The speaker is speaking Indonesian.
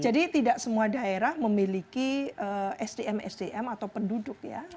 jadi tidak semua daerah memiliki sdm sdm atau penduduk ya